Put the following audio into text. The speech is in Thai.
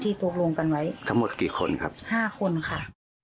ตกลงกันไว้ทั้งหมดกี่คนครับห้าคนค่ะ